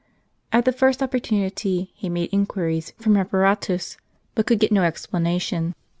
At the first opportunity, he made inquiries from Eeparatus, but could get no explanation.